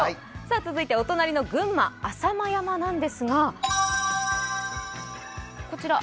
続いてお隣の群馬、浅間山なんですが。